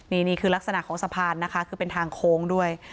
นี่คือลักษณะของสะพานนะคะคือเป็นทางโค้งด้วย